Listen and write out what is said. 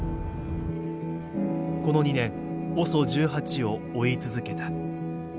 この２年ＯＳＯ１８を追い続けた。